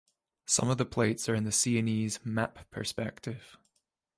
Some of the plates are in the Siennese "map perspective".